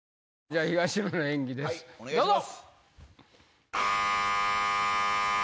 じゃあ東野の演技ですどうぞ！